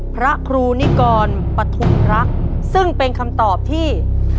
พระครูนิกรปฐุมรักษ์ซึ่งเป็นคำตอบที่